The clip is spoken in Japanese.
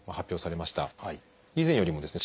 以前よりもですね